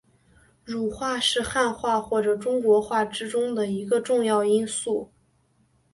儒化是汉化或中国化之中的一个重要因素。